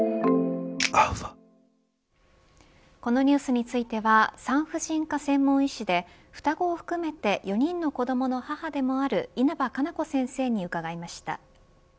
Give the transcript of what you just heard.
このニュースについては産婦人科専門医師で双子を含めて４人の子どもの母でもある稲葉可奈子先生に伺いました。